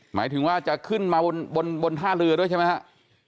หมายถึงว่าจะขึ้นมาบนท่าเรือด้วยใช่ไหมครับ